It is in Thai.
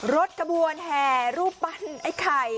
รถกระบวนแห่รูปปั้นไอ้ไข่